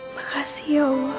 makasih ya allah